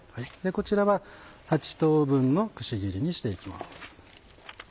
こちらは８等分のくし切りにして行きます。